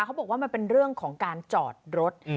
เขาบอกว่ามันเป็นเรื่องของการจอดรถ